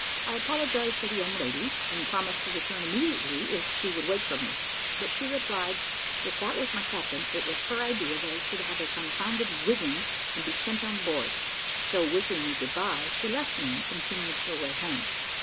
I apologised to the young lady, and promised to return immediately if she would wait for me; but she replied, if that was my captain, it was her idea that I should have a confounded wigging and be sent on board. So, wishing me good bye, she left me and continued her way home.